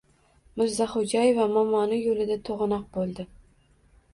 Mirzaxo‘jaeva momoni yo‘lida to‘g‘onoq bo‘ldi.